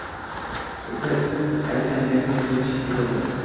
O‘smir aylangani ko‘chaga chiqib ketadi.